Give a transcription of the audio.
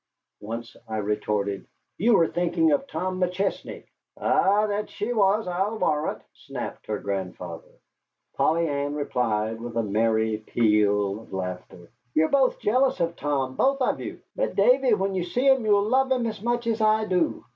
Once I retorted, "You were thinking of that Tom McChesney." "Ay, that she was, I'll warrant," snapped her grandfather. Polly Ann replied, with a merry peal of laughter, "You are both jealous of Tom both of you. But, Davy, when you see him you'll love him as much as I do."